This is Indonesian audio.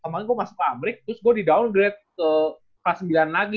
kemarin gue masuk pabrik terus gue di downgrade ke kelas sembilan lagi